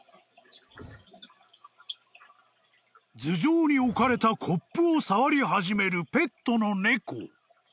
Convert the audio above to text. ［頭上に置かれたコップを触り始めるペットの猫］